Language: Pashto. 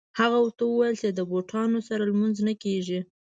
هغه ورته وویل چې د بوټانو سره لمونځ نه کېږي.